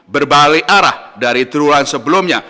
berbalik arah dari triwulan sebelumnya